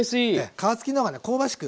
皮付きの方がね香ばしく